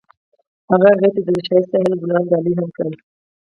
هغه هغې ته د ښایسته ساحل ګلان ډالۍ هم کړل.